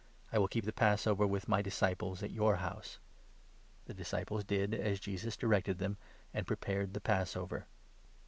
I will keep the Passover with my disciples at your house.' " The disciples did as Jesus directed them, and prepared the Passover.